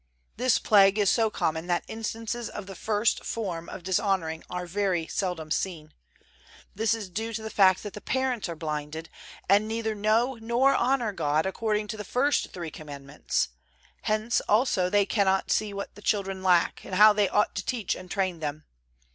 This plague is so common that instances of the first form of dishonoring are very seldom seen. This is due to the fact that the parents are blinded, and neither know nor honor God according to the first three Commandments; hence also they cannot see what the children lack, and how they ought to teach and train them.